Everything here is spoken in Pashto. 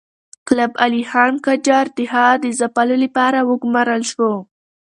کلب علي خان قاجار د هغه د ځپلو لپاره وګمارل شو.